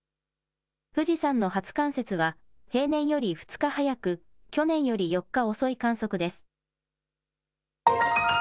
富士山の初冠雪は、平年より２日早く、去年より４日遅い観測です。